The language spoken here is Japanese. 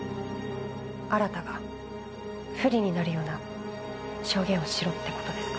新が不利になるような証言をしろって事ですか？